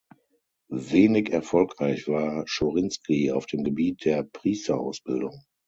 Wenig erfolgreich war Chorinsky auf dem Gebiet der Priesterausbildung.